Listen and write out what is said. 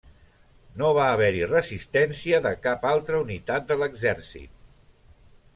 No va haver-hi resistència de cap altra unitat de l'exèrcit.